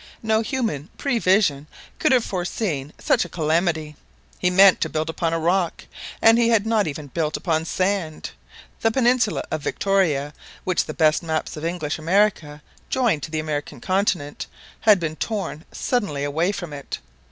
No human prevision could have foreseen such a calamity. He meant to build upon a rock, and he had not even built upon sand. The peninsula of Victoria, which the best maps of English America join to the American continent, had been torn suddenly away from it.